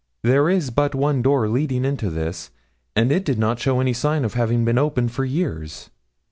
There is but one door leading into this, and it did not show any sign of having been open for years.